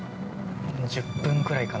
◆１０分くらいかな。